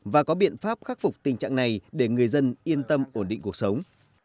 và có biện pháp khắc phục tình trạng này để người dân yên tâm ổn định cuộc sống